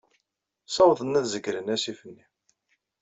Ssawḍen ad zegren asif-nni.